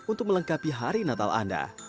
untuk melengkapi hari natal anda